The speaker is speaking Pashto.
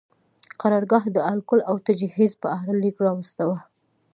قرارګاه د اکل او تجهیز په اړه لیک واستاوه.